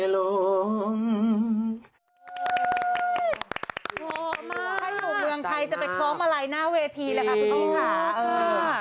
พอมากตามมาใครอยู่เมืองไทยจะไปท้องมาลัยหน้าเวทีแหละคะพี่พี่ค่ะ